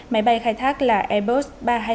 máy bay khai thác là airbus ba trăm hai mươi